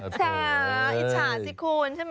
แจอิจฉาสิคุณใช่ไหม